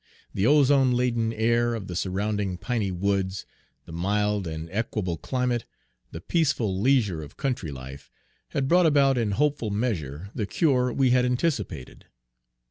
The ozone laden air of the surrounding piney woods, the mild and equable climate, the peaceful leisure of country 'life, had brought about in hopeful measure the cure we had anticipated.